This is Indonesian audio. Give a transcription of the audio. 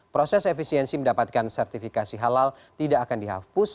proses efisiensi mendapatkan sertifikasi halal tidak akan dihapus